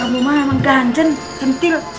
kamu mah emang ganjen centil